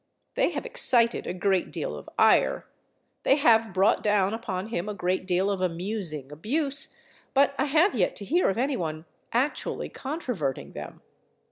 They have excited a great deal of ire, they have brought down upon him a great deal of amusing abuse, but I have yet to hear of any one actually controverting them.